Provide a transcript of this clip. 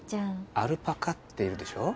アルパカっているでしょ？